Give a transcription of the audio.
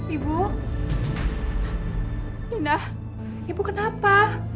ibu ina ibu kenapa